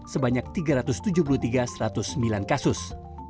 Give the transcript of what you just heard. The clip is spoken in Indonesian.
sebanyak tiga ratus tujuh puluh tiga satu ratus sembilan kasus